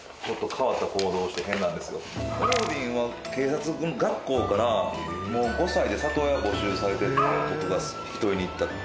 オーディンは警察学校から５歳で里親募集されてて僕が引き取りに行ったんですよね。